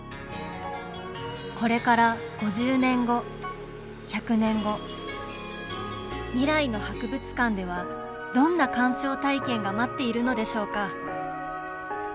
これから５０年後、１００年後「未来の博物館」ではどんな鑑賞体験が待っているのでしょうか